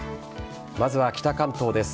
まずは北関東です。